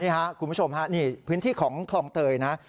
นี่ครับคุณผู้ชมฮะนี่พื้นที่ของคลองเตยนะ